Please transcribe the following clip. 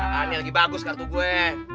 ini lagi bagus kartu gue